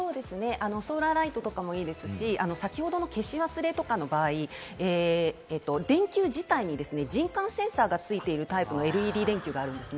ソーラーライトとかもいいですし、先ほどの消し忘れとかの場合、電球自体に人感センサーがついているタイプのＬＥＤ電球があります。